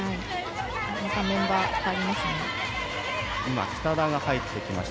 またメンバー代わりますね。